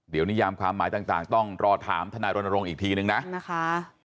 เดี๋ยวนิยามความหมายต่างต้องรอถามทนายรณรงค์อีกทีนึงนะนะคะ